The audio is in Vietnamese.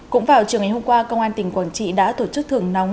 cũng vào chiều ngày hôm qua công an tỉnh quảng trị đã tổ chức thường nóng